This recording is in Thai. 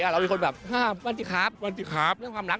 เราก็จะบอกว่าเล่น